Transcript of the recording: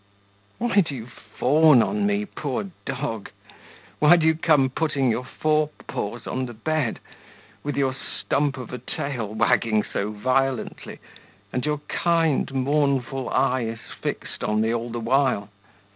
Why do you fawn on me, poor dog? why do you come putting your forepaws on the bed, with your stump of a tail wagging so violently, and your kind, mournful eyes fixed on me all the while?